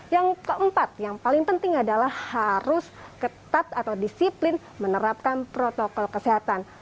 yang keempat yang paling penting adalah harus ketat atau disiplin menerapkan protokol kesehatan